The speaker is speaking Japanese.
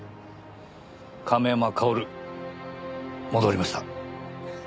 亀山薫戻りました。